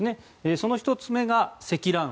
その１つ目が積乱雲。